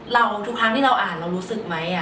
เราทุกครั้งที่เราอ่านเรารู้สึกมั้ย